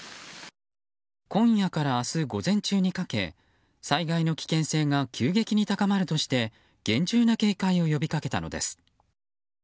今夜から明日午前中にかけ災害の危険性が急激に高まるとして厳重な警戒を呼びかけたのです。